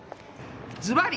ずばり！